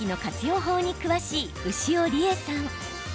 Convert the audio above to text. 法に詳しい牛尾理恵さん。